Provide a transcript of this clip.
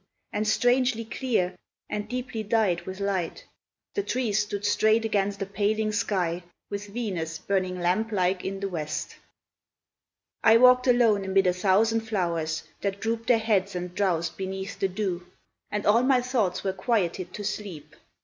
And strangely clear, and deeply dyed with light, The trees stood straight against a paling sky, With Venus burning lamp like in the west. I walked alone amid a thousand flowers, That drooped their heads and drowsed beneath the dew, And all my thoughts were quieted to sleep.